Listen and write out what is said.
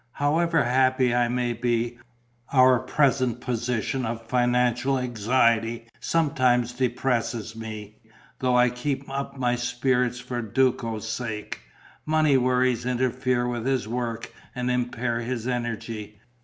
However happy I may be, our present position of financial anxiety sometimes depresses me, though I keep up my spirits for Duco's sake. Money worries interfere with his work and impair his energy.